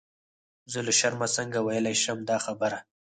زه له شرمه څنګه ویلای شم دا خبره.